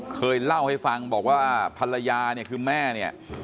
เคยเล่าให้ฟังบอกว่าภรรยาเนี่ยคือแม่เนี่ย